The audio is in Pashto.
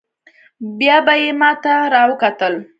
بيا به يې ما ته راوکتل.